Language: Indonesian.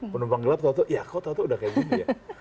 penumpang gelap waktu ya kok waktu udah kayak gini ya